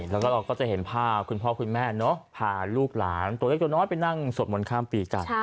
แล้วก็เราก็จะเห็นภาพคุณพ่อคุณแม่พาลูกหลานตัวเล็กตัวน้อยไปนั่งสวดมนต์ข้ามปีกัน